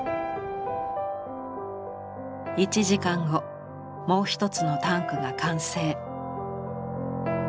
１時間後もう一つのタンクが完成。